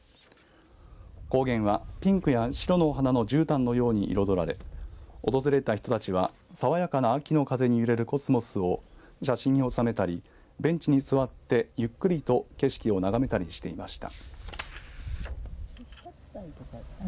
高原はピンクや白の花のじゅうたんのように彩られ訪れた人たちは爽やかな秋の風に揺れるコスモスを写真に収めたりベンチに座って、ゆっくりと景色を眺めたりしていました。